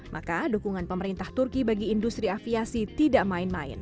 maka dukungan pemerintah turki bagi industri aviasi tidak main main